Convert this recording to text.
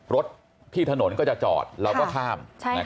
รถที่ถนนก็จะจอดเราก็ข้าม